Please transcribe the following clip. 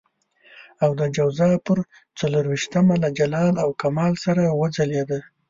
او د جوزا پر څلور وېشتمه له جلال او کمال سره وځلېده.